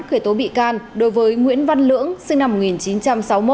khởi tố bị can đối với nguyễn văn lưỡng sinh năm một nghìn chín trăm sáu mươi một